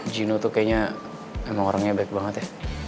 gino tuh kayaknya emang orangnya baik banget ya